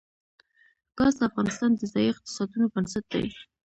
ګاز د افغانستان د ځایي اقتصادونو بنسټ دی.